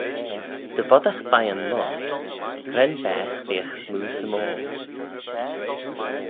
Dy voddagh beiyn loayrt, cre'n baagh veagh smoo symoil?